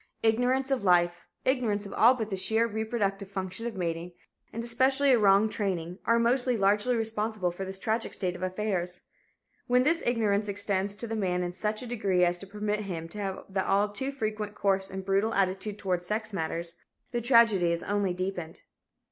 Ignorance of life, ignorance of all but the sheer reproductive function of mating, and especially a wrong training, are most largely responsible for this tragic state of affairs. When this ignorance extends to the man in such a degree as to permit him to have the all too frequent coarse and brutal attitude toward sex matters, the tragedy is only deepened.